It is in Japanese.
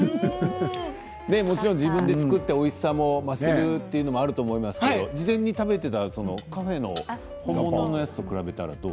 もちろん自分で作っておいしさも増しているというのもあると思いますけど事前に食べていたカフェの本物のやつと比べたら、どう？